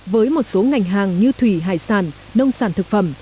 với một số ngành hàng như thủy hải sản nông sản thực phẩm